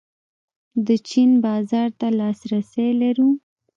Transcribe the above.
د چین بازار ته لاسرسی لرو؟